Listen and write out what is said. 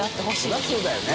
そりゃそうだよね。